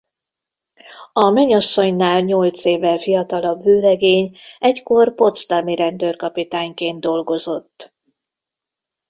A menyasszonynál nyolc évvel fiatalabb vőlegény egykor potsdami rendőrkapitányként dolgozott.